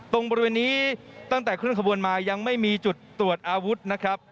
ตรงบริเวณนี้ตั้งแต่เคลื่อนขบวนมายังไม่มีจุดตรวจอาวุธนะครับ